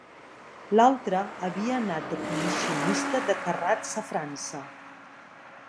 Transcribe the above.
L'altre havia anat de comissionista de carrats a França.